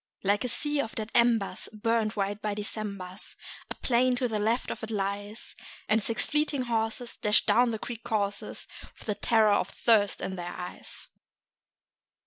Like a sea of dead embers, burnt white by Decembers, A plain to the left of it lies; And six fleeting horses dash down the creek courses With the terror of thirst in their eyes.